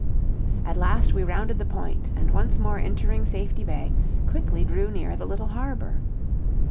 At last we rounded the point, and once more entering Safety Bay, quickly drew near the little harbor.